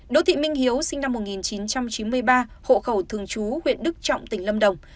đỗ thị minh hiếu sinh năm một nghìn chín trăm chín mươi ba hộ khẩu thường chú huyện đức trọng tỉnh lâm đồng